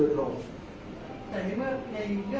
ธนาฬิกาเนี่ย